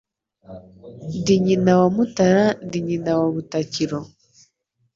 Ndi nyina wa Mutara Ndi nyina wa Butakiro